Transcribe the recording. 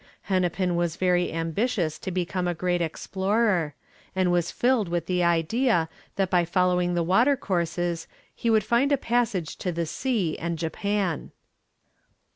Hennepin was very ambitious to become a great explorer, and was filled with the idea that by following the water courses he would find a passage to the sea and Japan.